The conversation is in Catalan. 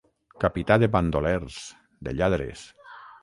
Capità de bandolers, de lladres.